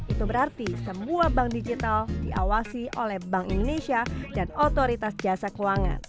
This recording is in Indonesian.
itu berarti semua bank digital diawasi oleh bank indonesia dan otoritas jasa keuangan